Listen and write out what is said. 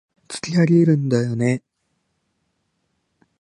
突き上げるんだよね